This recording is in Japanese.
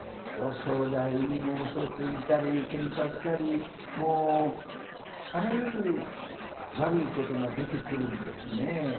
すると兄弟にもうそついたりけんかしたりもうあらゆる悪いことが出てくるんですねぇ。